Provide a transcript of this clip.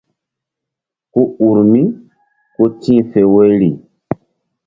Ku ur mí ku tih fe woyri.